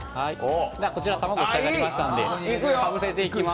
こちら、卵が仕上がりましたので、かぶせていきます。